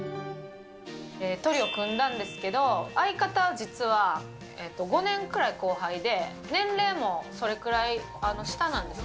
トリオ組んだんですけど、相方は実は、５年くらい後輩で、年齢もそれくらい下なんですよ。